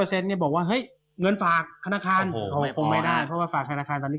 เราจะหายังไงให้มันได้๕